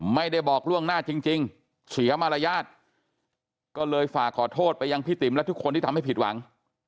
ไม่ได้บอกล่วงหน้าจริงเสียมารยาทก็เลยฝากขอโทษไปยังพี่ติ๋มและทุกคนที่ทำให้ผิดหวัง